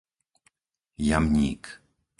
Jamník